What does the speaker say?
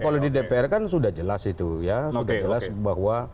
kalau di dpr kan sudah jelas itu ya sudah jelas bahwa